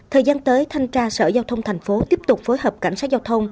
thời gian tới thanh tra sở giao thông thành phố tiếp tục phối hợp cảnh sát giao thông